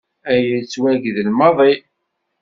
Aya yettwagdel maḍi.